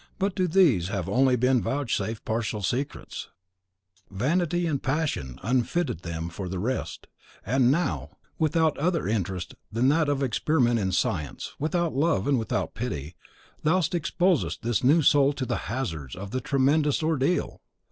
But to these have only been vouchsafed partial secrets; vanity and passion unfitted them for the rest; and now, without other interest than that of an experiment in science, without love, and without pity, thou exposest this new soul to the hazards of the tremendous ordeal!